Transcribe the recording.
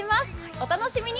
お楽しみに！